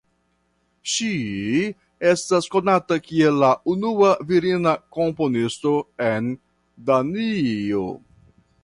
Ŝi estas konata kiel la unua virina komponisto en Danio.